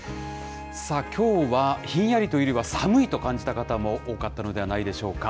さあ、きょうはひんやりというよりは、寒いと感じた方も多かったのではないでしょうか。